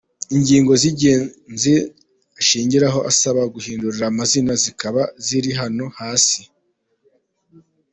Ingingo z’ingenzi ashingiraho asaba guhindura amazina zikaba ziri hano hasi:.